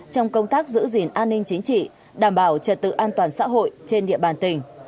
trong công tác giữ gìn an ninh chính trị đảm bảo trật tự an toàn xã hội trên địa bàn tỉnh